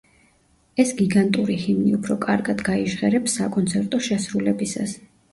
ეს გიგანტური ჰიმნი უფრო კარგად გაიჟღერებს საკონცერტო შესრულებისას.